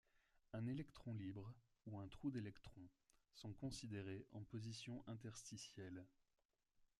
Un électron libre ou un trou d'électron sont considérés en position interstitielle.